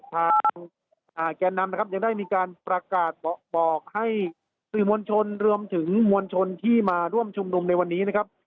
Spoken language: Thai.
แกนนำนะครับยังได้มีการประกาศบอกให้สื่อมวลชนรวมถึงมวลชนที่มาร่วมชุมนุมในวันนี้นะครับ